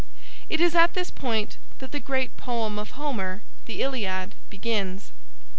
It is at this point that the great poem of Homer, "The Iliad," begins.